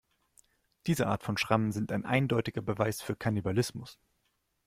Diese Art von Schrammen sind ein eindeutiger Beweis für Kannibalismus.